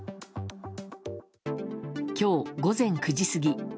今日午前９時過ぎ